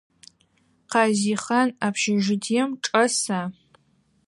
Къазихъан общежитием чӏэса?